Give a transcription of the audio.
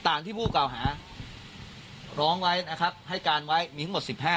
ตามที่ผู้เก่าหาร้องไว้นะครับให้การไว้มีทั้งหมด๑๕